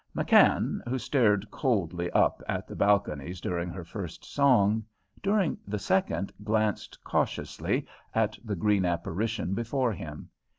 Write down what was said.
McKann, who stared coldly up at the balconies during her first song, during the second glanced cautiously at the green apparition before him.